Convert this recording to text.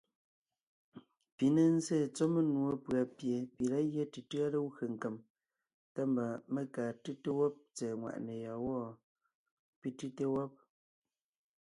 Pi ne zsé tsɔ́ menùɔ pʉ̀a pie pi lǎ gyɛ́ tʉtʉ́a legwé nkem, tá mba mé kaa tʉ́te wɔ́b tsɛ̀ɛ nwàʼne yɔ́ɔn wɔ́? pi tʉ́te wɔ́b.